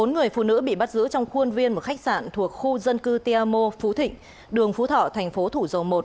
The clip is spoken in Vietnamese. bốn người phụ nữ bị bắt giữ trong khuôn viên một khách sạn thuộc khu dân cư tia mo phú thịnh đường phú thọ thành phố thủ dầu một